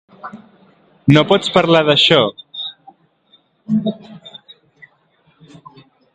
No pots parlar d’això?